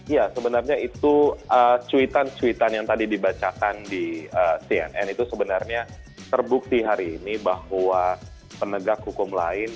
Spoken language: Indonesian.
ya sebenarnya itu cuitan cuitan yang tadi dibacakan di cnn itu sebenarnya terbukti hari ini bahwa penegak hukum lain